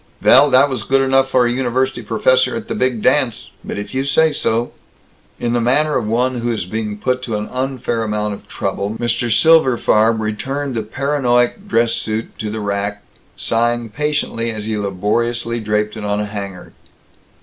"Vell, that was good enough for a university professor at the big dance, but if you say so " In the manner of one who is being put to an unfair amount of trouble, Mr. Silberfarb returned the paranoiac dress suit to the rack, sighing patiently as he laboriously draped it on a hanger.